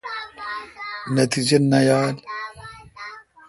نتیجہ نہ یال۔